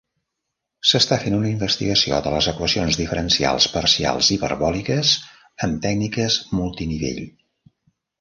S'està fent una investigació de les equacions diferencials parcials hiperbòliques amb tècniques multinivell.